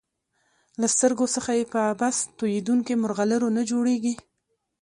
له سترګو څخه یې په عبث تویېدونکو مرغلرو نه جوړیږي.